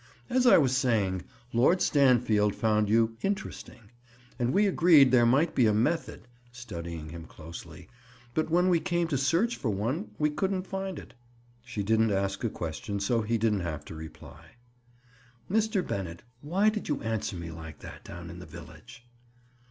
"As I was saying, Lord Stanfield found you 'interesting,' and we agreed there might be a method," studying him closely, "but when we came to search for one, we couldn't find it." She didn't ask a question, so he didn't have to reply. "Mr. Bennett, why did you answer me like that down in the village?"